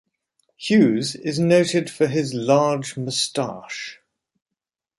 Hughes is noted for his large moustache.